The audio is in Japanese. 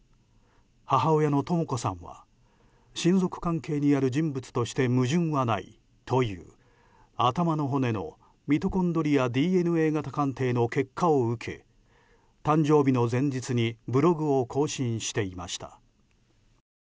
母親のとも子さんは親族関係にある人物として矛盾はないという、頭の骨のミトコンドリアＤＮＡ型鑑定の結果を受け、誕生日の前日にブログを更新していました。